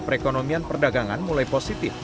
perekonomian perdagangan mulai positif